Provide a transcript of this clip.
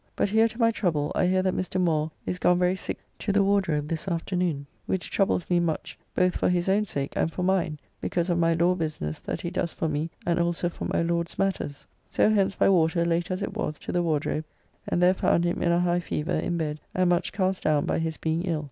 But here to my trouble I hear that Mr. Moore is gone very sick to the Wardrobe this afternoon, which troubles me much both for his own sake and for mine, because of my law business that he does for me and also for my Lord's matters. So hence by water, late as it was, to the Wardrobe, and there found him in a high fever, in bed, and much cast down by his being ill.